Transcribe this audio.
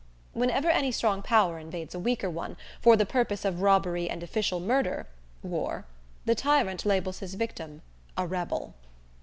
Whenever any strong power invades a weaker one for the purpose of robbery and official murder (war), the tyrant labels his victim a "Rebel!"